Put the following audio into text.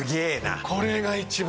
これが一番いい。